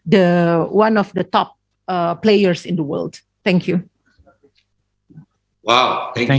salah satu pemain terbaik di dunia